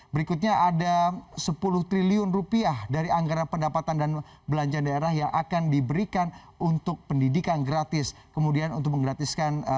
berikutnya ada sepuluh triliun rupiah dari anggaran pendapatan dan belanjaan daerah yang akan diberikan untuk pendidikan gratis